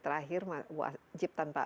terakhir wajib tanpa